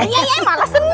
malah senang dia